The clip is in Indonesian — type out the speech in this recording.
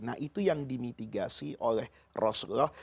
nah itu yang dimitigasi oleh rasulullah